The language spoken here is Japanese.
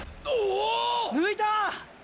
抜いた！